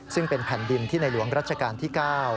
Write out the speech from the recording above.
ซึ่งเป็นแผ่นดินที่ในหลวงรัชกาลที่๙